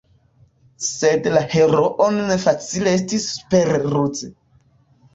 Sed la heroon ne facile estis superruzi.